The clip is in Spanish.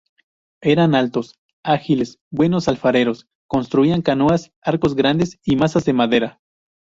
Eran altos, ágiles, buenos alfareros, construían canoas, arcos grandes y mazas de madera.